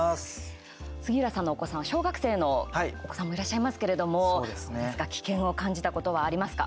杉浦さんのお子さん小学生のお子さんもいらっしゃいますけれども危険を感じたことはありますか？